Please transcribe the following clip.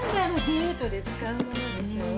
デートで使うものでしょ？